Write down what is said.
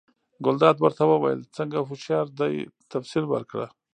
ګلداد ورته وویل: څنګه هوښیار دی، تفصیل ورکړه؟